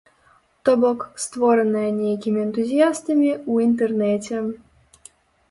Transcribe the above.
То бок, створаная нейкімі энтузіястамі ў інтэрнэце.